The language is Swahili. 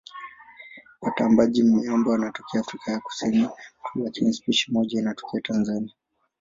Watambaaji-miamba wanatokea Afrika ya Kusini tu lakini spishi moja inatokea Tanzania.